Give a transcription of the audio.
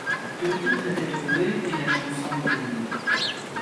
Le titre était trouvé et la chanson était née.